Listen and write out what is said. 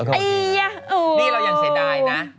ไอ้นี่เรายังเสียดายนะ